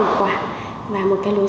và một cái lối sống của người tiêu dùng